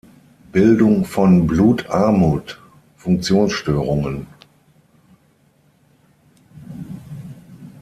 Bildung von Blutarmut, Funktionsstörungen.